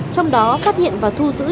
trong đó phát hiện và thu giữ